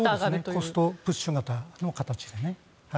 コストプッシュ型の形で。